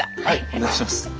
はいお願いします。